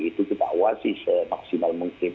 itu kita awasi semaksimal mungkin